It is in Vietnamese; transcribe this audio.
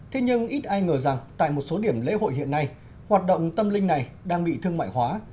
thế nhưng ít ai ngờ rằng tại một số điểm lễ hội hiện nay hoạt động tâm linh này đang bị thương mại hóa